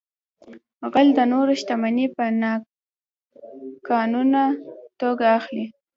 غل د نورو شتمنۍ په ناقانونه توګه اخلي